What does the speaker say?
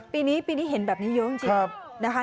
ปีนี้ปีนี้เห็นแบบนี้เยอะจริงนะคะ